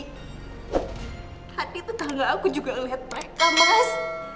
tadi tetangga aku juga ngeliat mereka mas